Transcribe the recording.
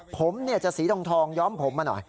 ผมจะสีทองย้อมผมมาหน่อย